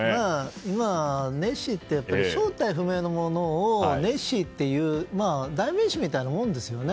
今はネッシーって正体不明のものをネッシーという代名詞みたいなものですよね。